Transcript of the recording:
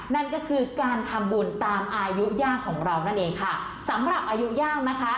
นั่นก็คือการทำบุญตามอายุย่างของเรานั่นเองค่ะสำหรับอายุย่างนะคะ